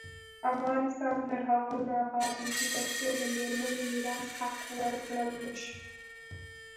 افغانستان تر هغو نه ابادیږي، ترڅو د میرمنو میراث حق ورکړل نشي.